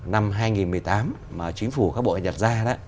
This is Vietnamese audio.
năm hai nghìn một mươi tám mà chính phủ các bộ hành đặt ra